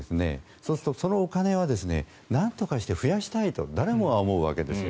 そうすると、そのお金はなんとかして増やしたいと誰もが思うわけですよ。